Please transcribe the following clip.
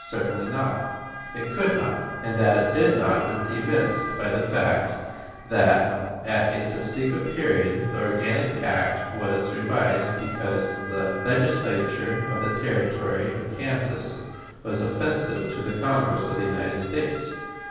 Certainly not; it could not; and that it did not is evinced by the fact that, at a subsequent period, the organic act was revised because the legislation of the Territory of Kansas was offensive to the Congress of the United States.